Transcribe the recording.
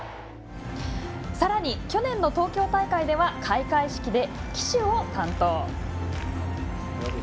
さらに、去年の東京大会では開会式で旗手を担当。